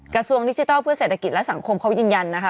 กระทรวงดิจิทัลเพื่อเศรษฐกิจและสังคมเขายืนยันนะคะ